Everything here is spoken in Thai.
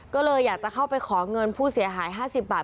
ก็เลยอยากจะเข้าไปขอเงินผู้เสียหาย๕๐บาท